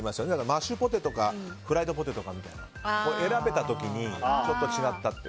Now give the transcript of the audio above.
マッシュポテトかフライドポテトかみたいな選べた時にちょっと違ったって。